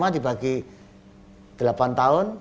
dibagi delapan tahun